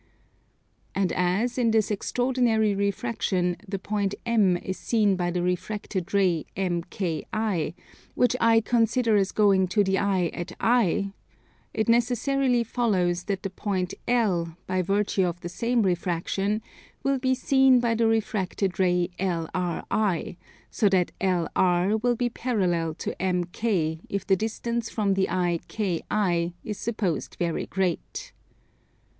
And as, in this extraordinary refraction, the point M is seen by the refracted ray MKI, which I consider as going to the eye at I, it necessarily follows that the point L, by virtue of the same refraction, will be seen by the refracted ray LRI, so that LR will be parallel to MK if the distance from the eye KI is supposed very great.